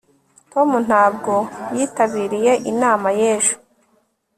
tom ntabwo yitabiriye inama y'ejo